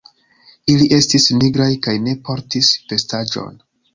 Ili estis nigraj, kaj ne portis vestaĵon.